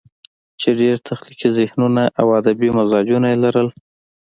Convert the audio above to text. چې ډېر تخليقي ذهنونه او ادبي مزاجونه ئې لرل